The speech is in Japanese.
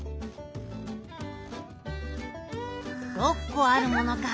６こあるものか。